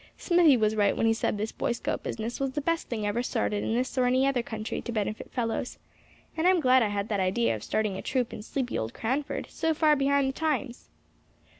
Smithy was right when he said this Boy Scout business was the best thing ever started in this or any other country to benefit fellows. And I'm glad I had that idea of starting a troop in sleepy old Cranford, so far behind the times."